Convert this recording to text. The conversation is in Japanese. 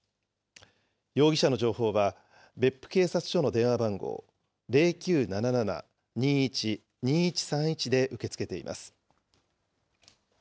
容疑者の情報は、別府警察署の電話番号、０９７７ー２１ー２１３１で受け付けています。